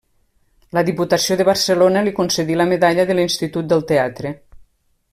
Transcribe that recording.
La Diputació de Barcelona li concedí la Medalla de l'Institut del Teatre.